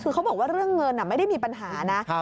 คือเขาบอกว่าเรื่องเงินไม่ได้มีปัญหานะ